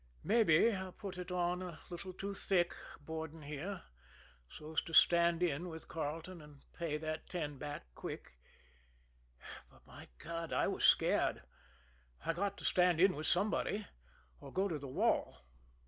"Maybe I put it on a little too thick boarding here so's to stand in with Carleton and pay that ten back quick but, my God, I was scared I've got to stand in with somebody, or go to the wall."